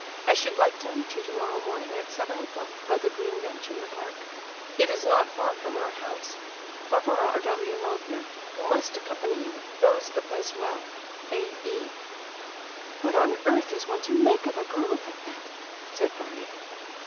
I should like to meet you tomorrow morning at seven o'clock by the green bench in the park. It is not far from our house. Varvara Ardalionovna, who must accompany you, knows the place well. "A. E." "What on earth is one to make of a girl like that?" said Varia.